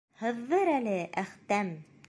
Һыҙҙыр әле, Әхтәм!